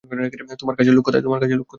তোমার কাছের লোক কোথায়?